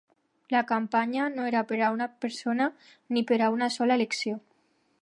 La campanya no era per a una persona ni per a una sola elecció.